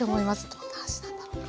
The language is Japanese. どんな味なんだろうか。